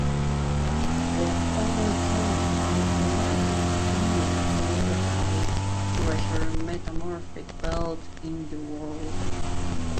The orogeny is the largest area ultrahigh pressure metamorphic belt in the world.